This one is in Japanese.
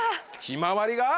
『ひまわり』が。